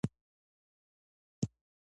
د زیتون تیل تر ټولو غوره دي.